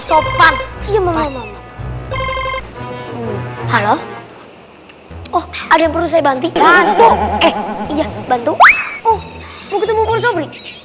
sopan iya mama halo oh ada perusahaan bantuin bantu oh